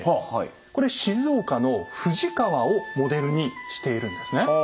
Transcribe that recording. これ静岡の富士川をモデルにしているんですね。